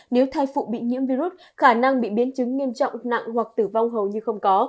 nếu thai phụ bị nhiễm virus khả năng bị biến chứng nghiêm trọng nặng hoặc tử vong hầu như không có